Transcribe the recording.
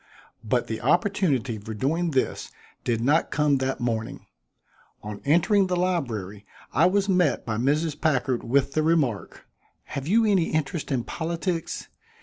But the opportunity for doing this did not come that morning. On entering the library I was met by Mrs. Packard with the remark: "Have you any interest in politics?